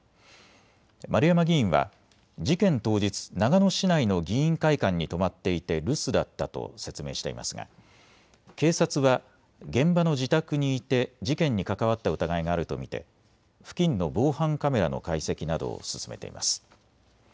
丸山議員は事件当日、長野市内の議員会館に泊まっていて留守だったと説明していますが警察は現場の自宅にいて事件に関わった疑いがあると見て付近の防犯カメラの解析などを進めています。